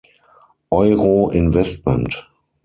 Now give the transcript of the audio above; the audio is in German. Euro Investment.